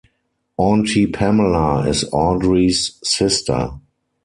Auntie Pamela is Audrey's sister.